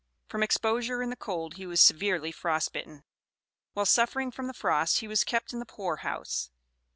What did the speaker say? From exposure in the cold he was severely frost bitten. While suffering from the frost he was kept in the poor house.